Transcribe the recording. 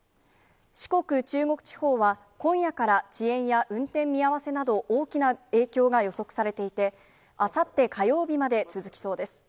四国、中国地方は今夜から、遅延や運転見合わせなど大きな影響が予測されていて、あさって火曜日まで続きそうです。